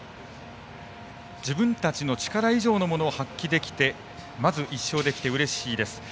自分たちの力以上のものを発揮できてまず１勝できてうれしいです。